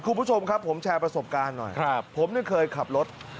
คุณผู้ชมครับผมแชร์ประสบการณ์หน่อยผมเนี่ยเคยขับรถ